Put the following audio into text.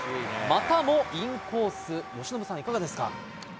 またもインコース、由伸さん、いかがですか？